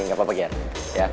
nggak apa apa geri